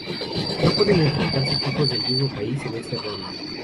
No pueden enfrentarse equipos del mismo país en este ronda.